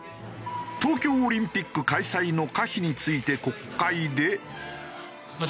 東京オリンピック開催の可否について国会で。